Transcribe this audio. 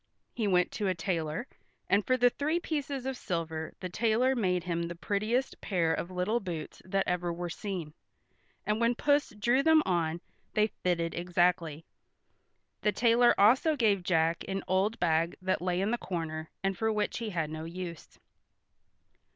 He went to a tailor, and for the three pieces of silver the tailor made him the prettiest pair of little boots that ever were seen, and when Puss drew them on they fitted exactly. The tailor also gave Jack an old bag that lay in the corner, and for which he had no use.